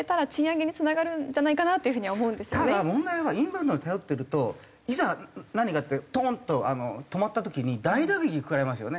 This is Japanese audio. ただ問題はインバウンドに頼ってるといざ何かあってトンと止まった時に大打撃を食らいますよね。